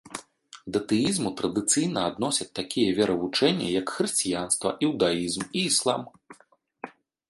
Да тэізму традыцыйна адносяць такія веравучэнні, як хрысціянства, іўдаізм і іслам.